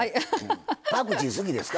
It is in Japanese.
パクチー好きですか？